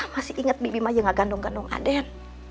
masih inget bibi mah yang gak gandong gandong aden